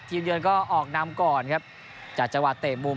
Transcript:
เยือนก็ออกนำก่อนครับจากจังหวะเตะมุม